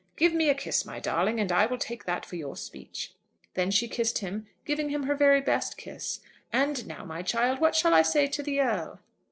Give me a kiss, my darling, and I will take that for your speech." Then she kissed him, giving him her very best kiss. "And now, my child, what shall I say to the Earl?"